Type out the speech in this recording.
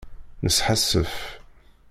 Nesḥassef.